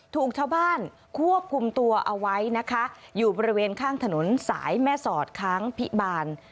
ถูกชาวบ้านควบคุมตัวเอาไว้นะคะอยู่บริเวณข้างถนนสายแม่สอดค้างพิบาล